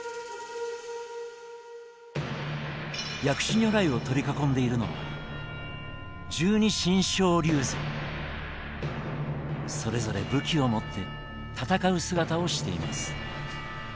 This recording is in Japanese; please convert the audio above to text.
薬師如来を取り囲んでいるのはそれぞれ武器を持って戦う姿をしています。